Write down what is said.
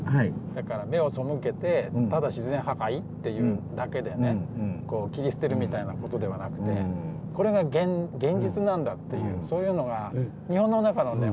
だから目を背けてただ自然破壊っていうだけでね切り捨てるみたいなことではなくてこれが現実なんだっていうそういうのが日本の中のね